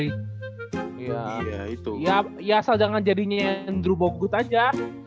iya asal jangan jadinya andrew bogut aja